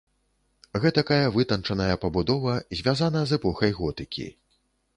Гэтакая вытанчаная пабудова звязана з эпохай готыкі.